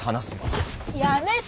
ちょっやめて！